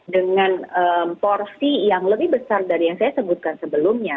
dengan porsi yang lebih besar dari yang saya sebutkan sebelumnya